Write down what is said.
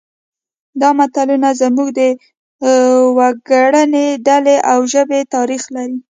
دا متلونه زموږ د وګړنۍ ډلې او ژبې تاریخ لري